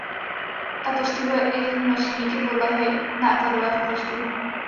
Ta postihuje i nosníky podlahy nákladového prostoru.